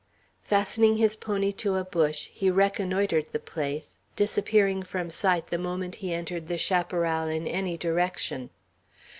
Fastening his pony to a bush, he reconnoitred the place, disappearing from sight the moment he entered the chaparral in any direction.